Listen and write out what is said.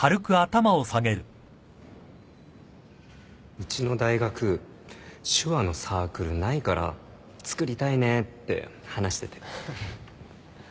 うちの大学手話のサークルないからつくりたいねって話してて。